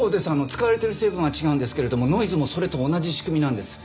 使われている成分は違うんですけれどもノイズもそれと同じ仕組みなんです。